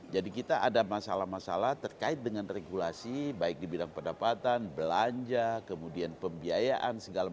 jadi kita ada masalah masalah terkait dengan regulasi baik di bidang pendapatan belanja kemudian pembiayaan segala macam